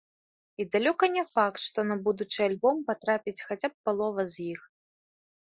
І далёка не факт, што на будучы альбом патрапіць хаця б палова з іх.